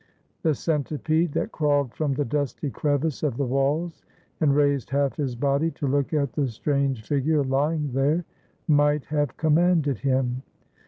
The centipede that crawled from the dusty crevice of the walls, and raised half his body to look at the strange figure lying there, might have commanded him.